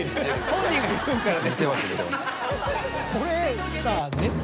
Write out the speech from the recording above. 本人が言うからね。